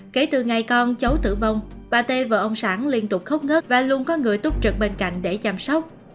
kể từ ngày con cháu tử vong bà tê và ông sản liên tục khốc ngớt và luôn có người túc trực bên cạnh để chăm sóc